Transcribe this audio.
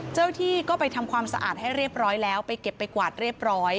เจ้าที่ก็ไปทำความสะอาดให้เรียบร้อยแล้วไปเก็บไปกวาดเรียบร้อย